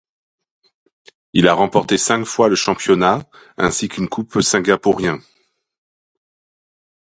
Il a remporté cinq fois le championnat ainsi qu'une coupe singapourien.